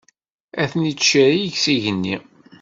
Ad ten-tciriɣ s yigenni.